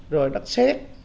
rồi đất xét